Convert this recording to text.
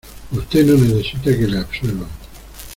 usted no necesita que le absuelvan